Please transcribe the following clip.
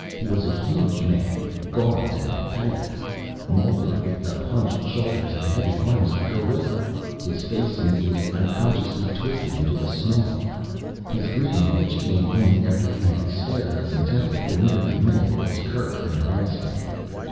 He was a huge man, gaunt and haggard, moulded with the hunched shoulders and heavy arms of a gorilla. His face seemed to be unconsciously twisted into a snarl. His greeting, which came only after he had stared at us intently, for nearly a minute, was curt and rasping.